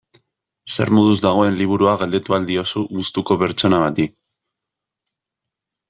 Zer moduz dagoen liburua galdetu ahal diozu gustuko pertsona bati.